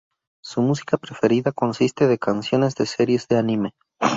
Su música preferida consiste de canciones de series de Anime.